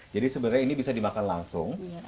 jadi sebenarnya ini bisa dimakan langsung